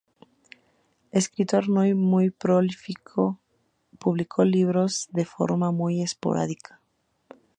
Escritor no muy prolífico, publicó libros de forma muy esporádica.